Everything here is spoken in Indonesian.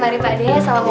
mari pakde salamualaikum